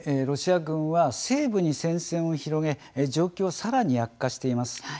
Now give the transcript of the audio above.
ロシア軍は西部に戦線を広げ状況はさらに悪化しています。